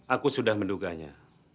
aku sudah menduganya